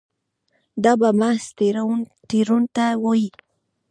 دا به محض تېروتنه وي.